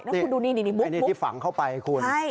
น้าคุณดูนี่นี่นี่มุกมุกอันนี้ที่ฝังเข้าไปคุณ